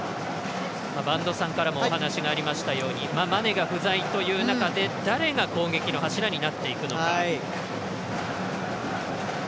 播戸さんからもお話がありましたようにマネが不在という中で誰が攻撃の柱になっていくのか。